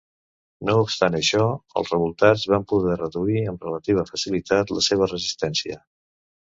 No obstant això, els revoltats van poder reduir amb relativa facilitat la seva resistència.